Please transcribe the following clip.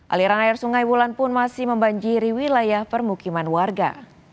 aliran air sungai wulan pun masih membanjiri wilayah permukiman warga